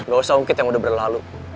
gak usah ungkit yang udah berlalu